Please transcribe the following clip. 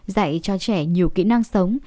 dạy cho trẻ nhiều kỹ năng sống